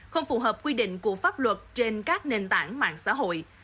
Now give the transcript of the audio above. không phù hợp quy định của pháp luật trên các nền tảng mạng xã hội